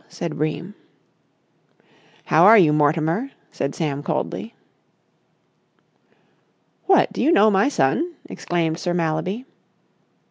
said Bream. "How are you, Mortimer?" said Sam coldly. "What, do you know my son?" exclaimed Sir Mallaby.